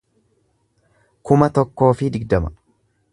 kuma tokkoo fi digdama